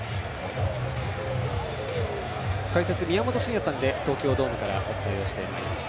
解説は宮本慎也さんで東京ドームからお伝えをしています。